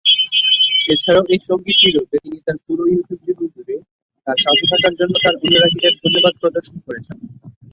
এছাড়াও এই সংগীত ভিডিওতে তিনি তার পুরো ইউটিউব জীবন জুড়ে তার সাথে থাকার জন্য তার অনুরাগীদের ধন্যবাদ প্রদর্শন করেছেন।